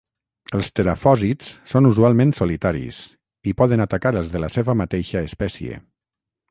Els terafòsids són usualment solitaris i poden atacar els de la seva mateixa espècie.